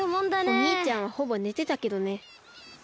おにいちゃんはほぼねてたけどね。